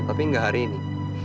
tapi gak hari ini